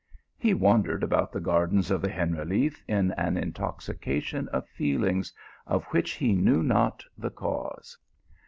He wandered about the gardens of the Generaliffe in an intoxication of feelings of which he knew not the cause.